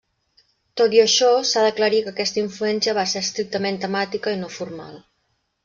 Tot i això, s'ha d'aclarir que aquesta influència va ser estrictament temàtica i no formal.